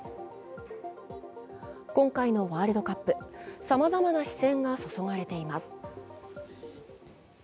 今回のワールドカップ、さまざまな視線が注がれています。